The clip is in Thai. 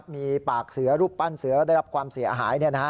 มีปากเสือรูปปั้นเสือได้รับความเสียหาย